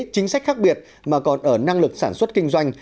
chính sách khác biệt mà còn ở năng lực sản xuất kinh doanh